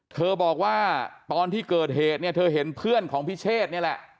เธอบอกว่าตอนที่เกิดเหตุเนี่ยเธอเห็นเพื่อนของพิเชษนี่แหละ